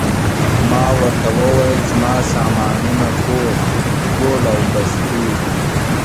ما ورته وویل: زما سامانونه ټول، ټول او بستې دي.